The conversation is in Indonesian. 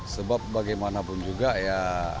sebab bagaimanapun juga ya